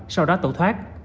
sau đó tẩu thoát